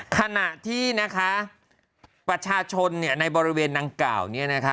ขณะที่นะคะประชาชนในบริเวณดังกล่าวเนี่ยนะคะ